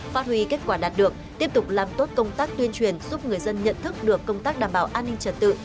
phát huy kết quả đạt được tiếp tục làm tốt công tác tuyên truyền giúp người dân nhận thức được công tác đảm bảo an ninh trật tự